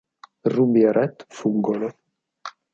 Ruby e Rhett fuggono.